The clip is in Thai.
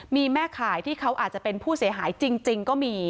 มีแม่ขายที่เขาอาจจะเป็นผู้เสียหายจริงก็มี